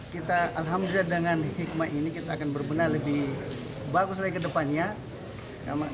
kita alhamdulillah dengan hikmah ini kita akan berbenah lebih bagus lagi ke depannya